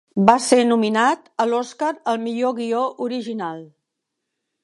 Va ser nominat a l'Oscar al millor guió original.